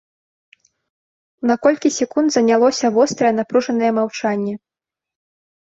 На колькі секунд занялося вострае напружанае маўчанне.